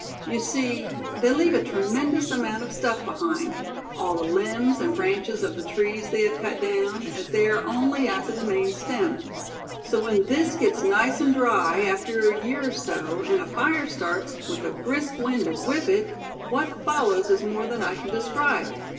"You see, they leave a tremendous amount of stuff behind; all the limbs and branches of the trees they have cut down, as they are only after the main stem; so when this gets nice and dry, after a year or so, and a fire starts, with a brisk wind to whip it, what follows is more than I can describe.